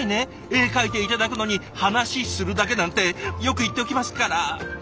絵描いて頂くのに「話するだけ」なんてよく言っておきますから。